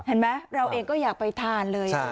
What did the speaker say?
เห็นไหมเราเองก็อยากไปทานเลย